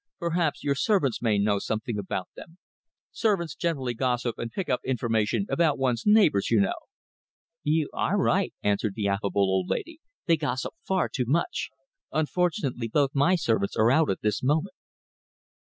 "Perhaps your servants may know something about them. Servants generally gossip and pick up information about one's neighbours, you know." "You are right," answered the affable old lady, "they gossip far too much. Unfortunately, however, both my servants are out at this moment."